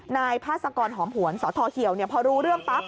นายพาสกรหอมหวนสทเหี่ยวพอรู้เรื่องปั๊บ